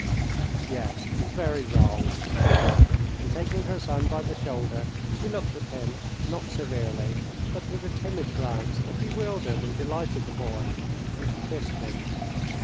"Yes, it's very wrong," said Anna, and taking her son by the shoulder she looked at him, not severely, but with a timid glance that bewildered and delighted the boy, and she kissed him.